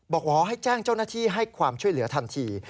บอกว่าให้แจ้งเจ้าหน้าที่ให้ความช่วยเหลือทันที